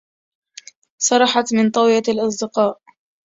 صرحت عن طوية الأصدقاء